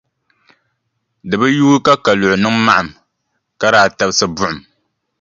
Di bi yuui ka Kaluɣi niŋ maɣim ka daa tabisi buɣum.